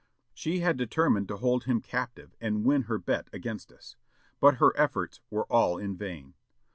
She had determined to hold him captive, and win her bet against us. But her efforts were all in vain.